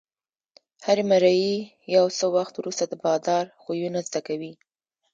هر مریی یو څه وخت وروسته د بادار خویونه زده کوي.